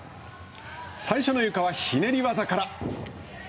最初のゆかはひねり技から。